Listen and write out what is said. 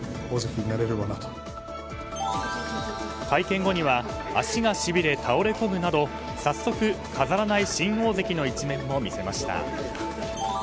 会見後には足がしびれ倒れ込むなど早速、飾らない新大関の一面も見せました。